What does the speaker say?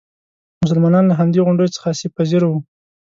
مسلمانان له همدې غونډیو څخه آسیب پذیره وو.